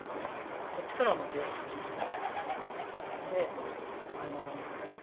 こっちからはもう電話通じない。